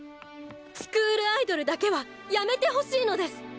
スクールアイドルだけはやめてほしいのです！